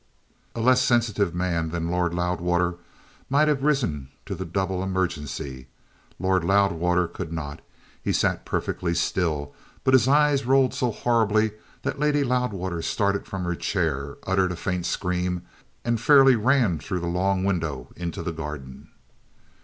A less sensitive man than Lord Loudwater might have risen to the double emergency. Lord Loudwater could not. He sat perfectly still. But his eyes rolled so horribly that the Lady Loudwater started from her chair, uttered a faint scream, and fairly ran through the long window into the garden.